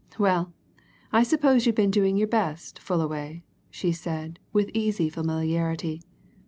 "Well, I suppose you've been doing your best, Fullaway," she said, with easy familiarity.